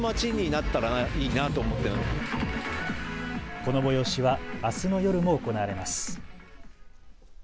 この催しはあすの夜も行われます。